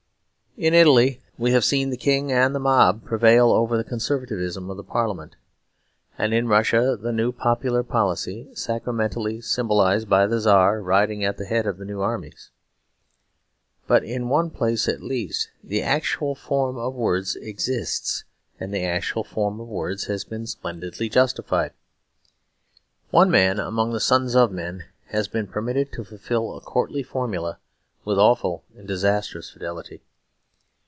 In Italy we have seen the King and the mob prevail over the conservatism of the Parliament, and in Russia the new popular policy sacramentally symbolised by the Czar riding at the head of the new armies. But in one place, at least, the actual form of words exists; and the actual form of words has been splendidly justified. One man among the sons of men has been permitted to fulfil a courtly formula with awful and disastrous fidelity.